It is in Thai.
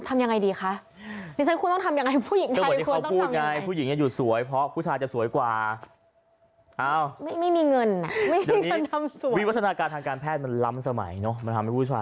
อเรนนี่ว่ะไงต้องคุณผู้ชมทำยังไงดีคะ